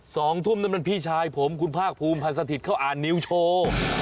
สองทุ่มนั่นมันพี่ชายผมคุณภาคภูมิพันธ์สถิตย์เขาอ่านนิวโชว์